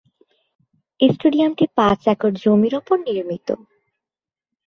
স্টেডিয়ামটি পাঁচ একর জমির উপর নির্মিত।